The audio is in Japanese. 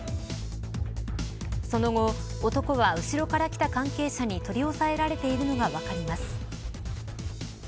その後、男は後ろから来た関係者に取り押さえられているのが分かります。